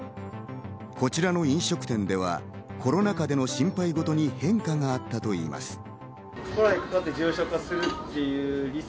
こちらの飲食店では、コロナ禍での心配ごとに変化があったといいます。